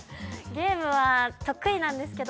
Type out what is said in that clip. ゲームは得意なんですけど